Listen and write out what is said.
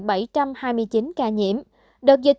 bình quân cứ một triệu ca nhiễm trên một triệu dân